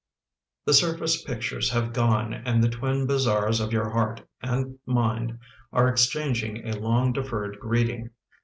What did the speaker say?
" The sin face pictures have gone and the twin bazaars of your heart and mind are exchanging a long deferred greeting.